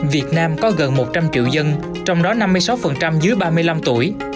việt nam có gần một trăm linh triệu dân trong đó năm mươi sáu dưới ba mươi năm tuổi